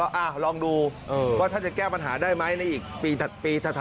ลองดูว่าท่านจะแก้ปัญหาได้ไหมในอีกปีถัดปีถัด